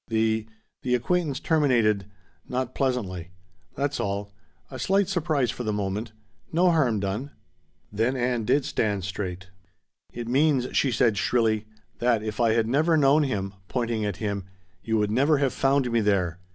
The the acquaintance terminated not pleasantly. That's all. A slight surprise for the moment. No harm done." Then Ann did stand straight. "It means," she said shrilly, "that if I had never known him" pointing at him "you would never have found me there."